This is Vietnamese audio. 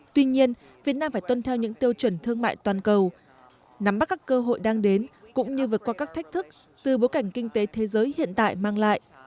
tuy nhiên việt nam phải tuân theo những tiêu chuẩn thương mại toàn cầu nắm bắt các cơ hội đang đến cũng như vượt qua các thách thức từ bối cảnh kinh tế thế giới hiện tại mang lại